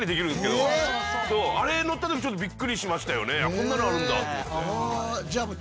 こんなのあるんだと思って。